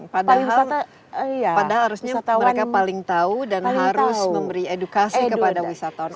padahal harusnya mereka paling tahu dan harus memberi edukasi kepada wisatawan